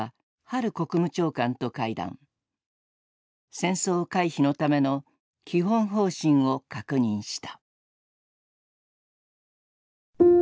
戦争回避のための基本方針を確認した。